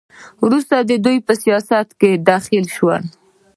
وروسته دوی په سیاست کې دخیل شول.